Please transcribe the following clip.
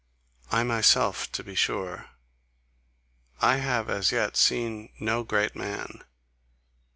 I myself, to be sure I have as yet seen no great man.